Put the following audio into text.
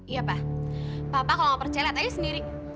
iya pa papa kalau gak percaya liat aja sendiri